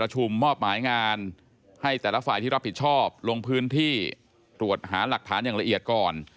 มอบหมายงานให้แต่ละฝ่ายที่รับผิดชอบลงพื้นที่ตรวจหาหลักฐานอย่างละเอียดก่อน